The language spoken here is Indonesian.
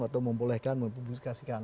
atau membolehkan mempublikasikan